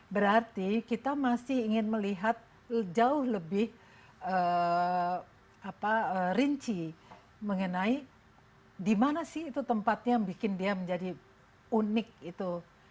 berarti kita masih ingin melihat jauh lebih rinci mengenai di mana sih itu tempatnya bikin dia menjadi unik itu